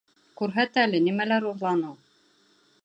Күрһәт әле, нимәләр урланың?